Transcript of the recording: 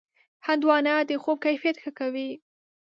هندوانه د خوب کیفیت ښه کوي.